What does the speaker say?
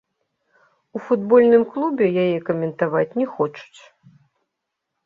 У футбольным клубе яе каментаваць не хочуць.